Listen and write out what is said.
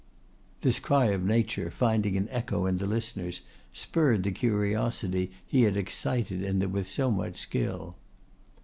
This cry of nature, finding an echo in the listeners, spurred the curiosity he had excited in them with so much skill.